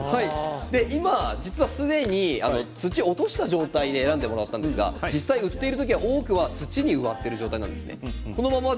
今すでに土を落とした状態で選んでもらったんですが売っている時、多くは土に植わっています。